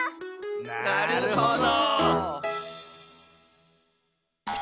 なるほど。